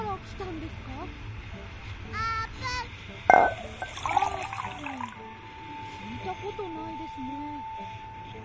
きいたことないですね。